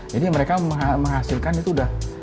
jadi mereka menghasilkan itu sudah